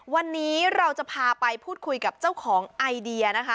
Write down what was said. วันนี้เราจะพาไปพูดคุยกับเจ้าของไอเดียนะคะ